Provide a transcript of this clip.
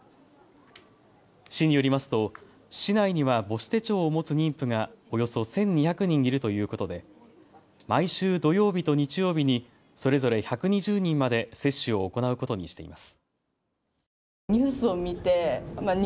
市によりますと市内には母子手帳を持つ妊婦がおよそ１２００人いるということで毎週土曜日と日曜日にそれぞれ１２０人まで接種を行うことにしています。